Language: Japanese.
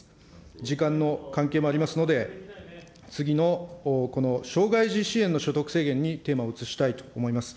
時間の関係もありますので、次の、この障害児支援の所得制限にテーマを移したいと思います。